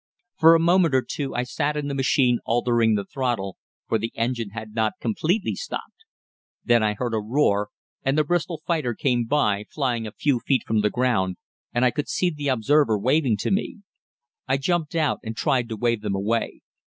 For a moment or two I sat in the machine altering the throttle, for the engine had not completely stopped. Then I heard a roar, and the Bristol fighter came by, flying a few feet from the ground, and I could see the observer waving to me. I jumped out and tried to wave them away.